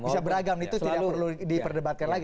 bisa beragam itu tidak perlu diperdebatkan lagi